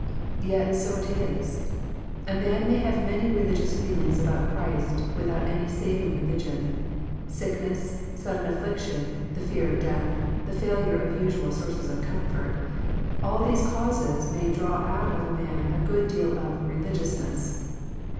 Yet so it is ! A man may have many religious feelings about Christ, without any saving religion Sickness, sudden affliction, the fear of death, the failure of usual sources of comfort — all these causes may draw out of a man a good deal of " religiousness."